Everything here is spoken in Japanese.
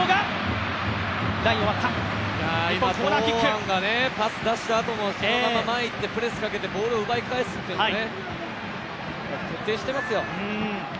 今、堂安がパス出したあとそのまま前いってプレスをかけてボールを奪い返すというね、徹底していますよ。